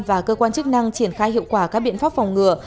và cơ quan chức năng triển khai hiệu quả các biện pháp phòng ngừa